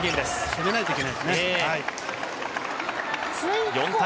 攻めないといけないですね。